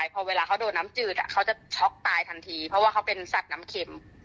เขาจะช็อกตายทันทีเพราะว่าเขาเป็นสัตว์น้ำเข็ม